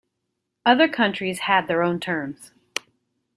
Other countries had their own terms.